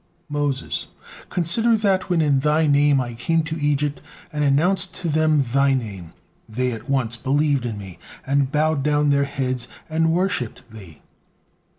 Moses: "Consider that when in Thy name I came to Egypt and announced to them Thy name, they at once believed in me, and bowed down their heads and worshipped Thee."